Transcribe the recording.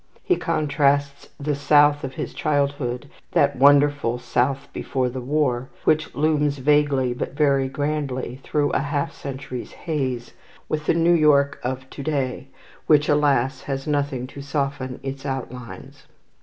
He contrasts the South of his childhood, that wonderful "South before the war," which looms vaguely, but very grandly, through a half century's haze, with the New York of to day, which, alas! has nothing to soften its outlines.